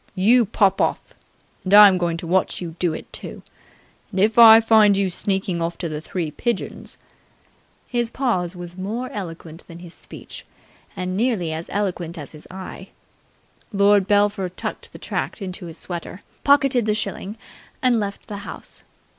"You pop off. And I'm going to watch you do it, too. And, if I find you sneakin' off to the Three Pigeons ..." His pause was more eloquent than his speech and nearly as eloquent as his eye. Lord Belpher tucked the tract into his sweater, pocketed the shilling, and left the house.